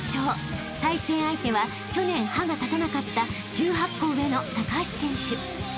［対戦相手は去年歯が立たなかった１８個上の高橋選手］